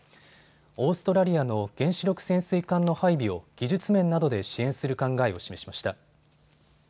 オーストラリアの原子力潜水艦の配備を技術面などで支援する考えを示しました。